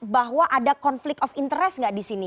bahwa ada konflik of interest gak disini